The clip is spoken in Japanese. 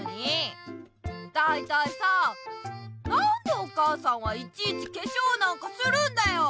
だいたいさあなんでお母さんはいちいちけしょうなんかするんだよ？